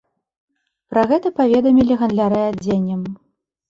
Пра гэта паведамілі гандляры адзеннем.